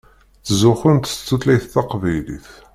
Ttzuxxunt s tutlayt taqbaylit.